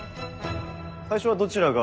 最初はどちらが？